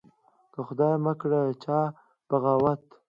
که خدای مکړه چا بغاوت